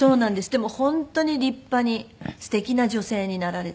でも本当に立派にすてきな女性になられて。